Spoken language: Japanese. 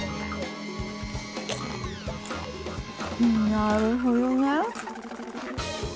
なるほどね。